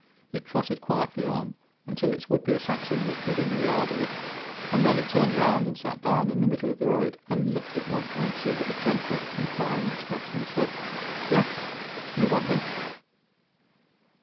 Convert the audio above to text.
It trotted quietly on until its would be assassin was within a yard of it, and then it turned round and sat down in the middle of the road, and looked at Montmorency with a gentle, inquiring expression, that said: "Yes! You want me?"